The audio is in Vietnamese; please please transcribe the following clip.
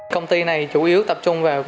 công ty này chủ yếu tập trung vào